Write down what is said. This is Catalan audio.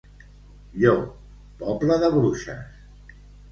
Llo, poble de bruixes.